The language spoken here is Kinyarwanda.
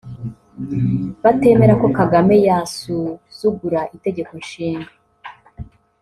batemera ko Kagame yasuzugura itegekonshinga